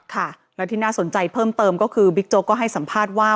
ค่ะแล้วที่น่าสนใจเพิ่มเติมก็คือบิ๊กโจ๊กก็ให้สัมภาษณ์ว่า